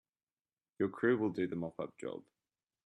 Your crew will do the mop up job.